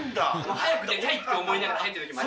早く出たいと思いながら入ってるときもある。